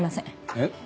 えっ？